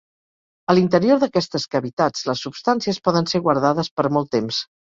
A l'interior d'aquestes cavitats les substàncies poden ser guardades per molt temps.